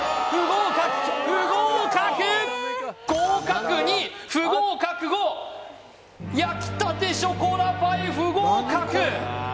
合格２不合格５焼きたてショコラパイ不合格！